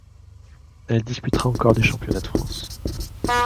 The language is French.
Elle disputera encore des championnats de France.